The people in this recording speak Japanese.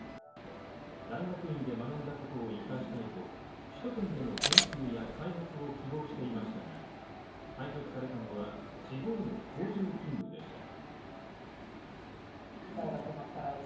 大学院で学んだことを生かしたいと首都圏での研究や開発を希望していましたが、配属されたのは地方の工場勤務でした。